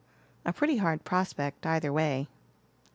A pretty hard prospect, either way."